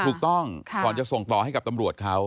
ถูกต้องก่อนจะส่งต่อให้กับตำรวจเขา